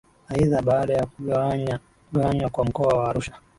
Aidha baada ya kugawanywa kwa Mkoa wa Arusha